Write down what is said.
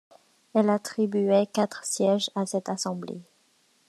Elle attribuait quatre sièges à cette assemblée.